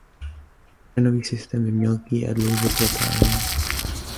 Kořenový systém je mělký a dlouze protáhlý.